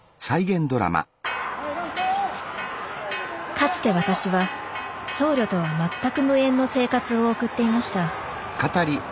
かつて私は僧侶とは全く無縁の生活を送っていました。